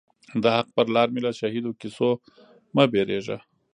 د حق پر لار می له شهیدو کیسو مه وېروه